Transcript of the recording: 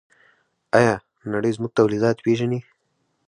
آیا نړۍ زموږ تولیدات پیژني؟